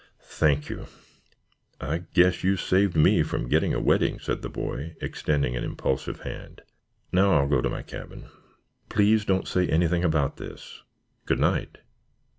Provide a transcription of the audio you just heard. "Thank you. I guess you saved me from getting a wetting," said the boy, extending an impulsive hand. "Now I'll go to my cabin. Please don't say anything about this. Good night."